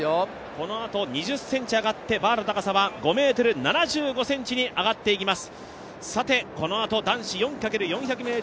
このあと２０ｃｍ上がって、バーの高さは５ｍ７５ｃｍに上がっていきます。